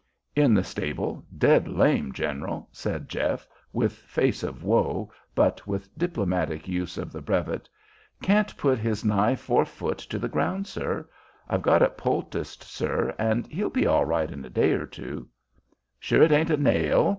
"In the stable, dead lame, general," said Jeff, with face of woe, but with diplomatic use of the brevet. "Can't put his nigh fore foot to the ground, sir. I've got it poulticed, sir, and he'll be all right in a day or two " "Sure it ain't a nail?"